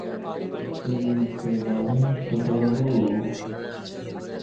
কী যে বলেন ছোটবাবু!